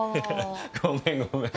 ごめんごめん。